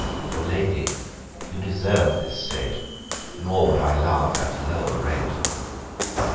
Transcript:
For Lady you deserve this State; Nor would I love at lower rate.